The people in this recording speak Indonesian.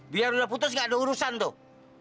biar udah putus gak ada urusan tuh